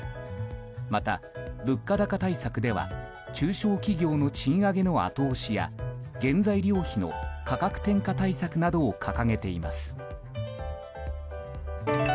また、物価高対策では中小企業の賃上げの後押しや原材料費の価格転嫁対策などを掲げています。